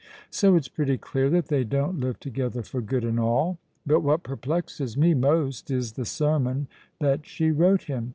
So it's pretty clear that they don't live together for good and all. But what perplexes me most is the sermon that she wrote him.